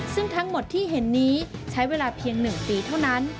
ซึ่งทั้งหมดที่เห็นนี้ใช้เวลาเพียง๑ปีเท่านั้น